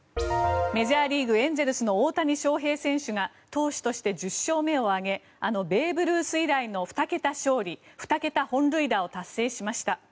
メジャーリーグ、エンゼルスの大谷翔平選手が投手として１０勝目を挙げあのベーブ・ルース以来の２桁勝利２桁本塁打を達成しました。